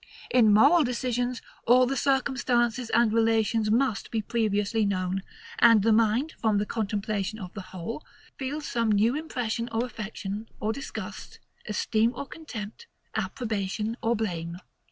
In moral decisions, all the circumstances and relations must be previously known; and the mind, from the contemplation of the whole, feels some new impression of affection or disgust, esteem or contempt, approbation or blame.